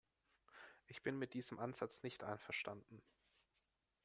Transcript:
Ich bin mit diesem Ansatz nicht einverstanden.